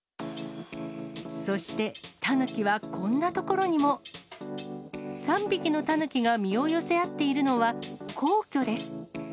そして、タヌキはこんな所にも。３匹のタヌキが身を寄せ合っているのは、皇居です。